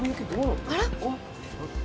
「あら？」